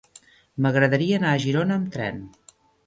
M'agradaria anar a Girona amb tren.